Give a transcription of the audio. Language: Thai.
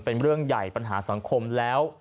เป็นเรื่องใหญ่ปัญหาสังคมแล้ว